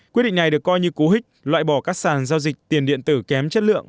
quyết định này được coi như cú hích loại bỏ các sàn giao dịch tiền điện tử kém chất lượng